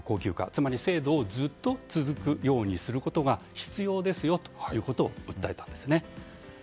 つまり制度をずっと続くようにすることが必要ですよということを訴えたんですね。